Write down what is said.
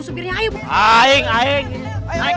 geser belakang masih kuat belakang masih kuat